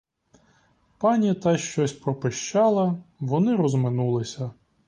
Пані та щось пропищала, вони розминулися.